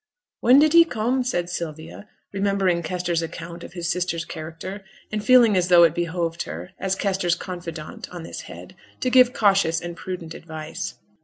'When did he come?' said Sylvia, remembering Kester's account of his sister's character, and feeling as though it behoved her, as Kester's confidante on this head, to give cautious and prudent advice.